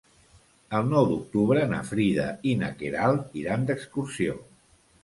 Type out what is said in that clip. El nou d'octubre na Frida i na Queralt iran d'excursió.